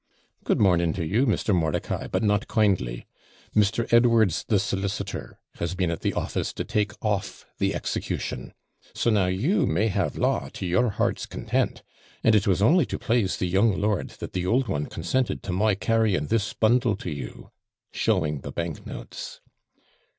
'Good morning to you, Mr. Mordicai but not kindly! Mr. Edwards, the solicitor, has been at the office to take off the execution; so now you may have law to your heart's content! And it was only to plase the young lord that the OULD one consented to my carrying this bundle to you,' showing the bank notes.